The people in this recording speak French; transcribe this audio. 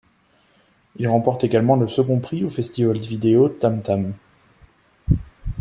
Il remporte également le second prix au Festival vidéo Tam Tam.